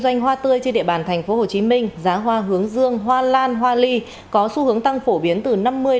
doanh hoa tươi trên địa bàn tp hcm giá hoa hướng dương hoa lan hoa ly có xu hướng tăng phổ biến từ năm mươi